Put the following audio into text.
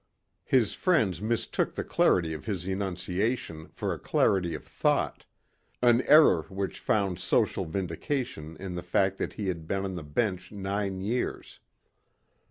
His friends mistook the clarity of his enunciation for a clarity of thought an error which found social vindication in the fact that he had been on the bench nine years.